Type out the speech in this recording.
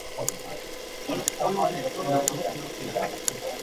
The Shaolin Monastery is located within the geopark.